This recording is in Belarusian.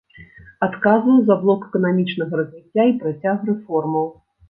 Адказваў за блок эканамічнага развіцця і працяг рэформаў.